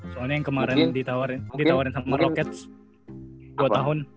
soalnya yang kemarin ditawarin sama roket dua tahun